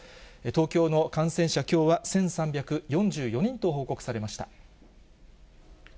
東京の感染者、きょうは１３４４人と報告されました。